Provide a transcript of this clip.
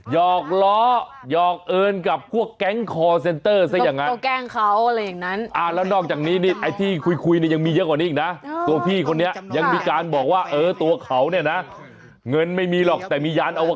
หอกล้อหยอกเอิญกับพวกแก๊งคอร์เซ็นเตอร์ซะอย่างนั้น